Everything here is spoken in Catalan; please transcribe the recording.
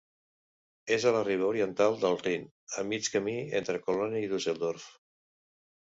És a la riba oriental del Rin, a mig camí entre Colònia i Düsseldorf.